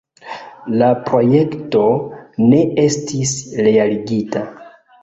La projekto ne estis realigita.